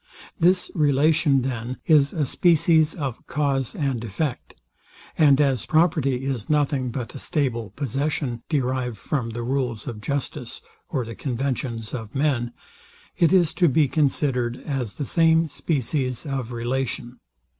This relation, then, is a species of cause and effect; and as property is nothing but a stable possession, derived from the rules of justice, or the conventions of men, it is to be considered as the same species of relation.